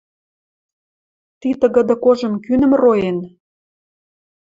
Ти тыгыды кожым кӱнӹм роэн?